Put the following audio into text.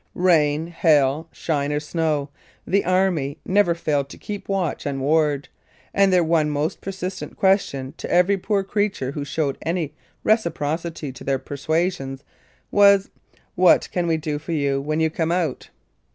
"Rain, hail, shine or snow," " the Army " never failed to keep watch and ward, and their one most persistent question to every poor creature who showed any reciprocity to their persuasions was, " What can we do for you when you come out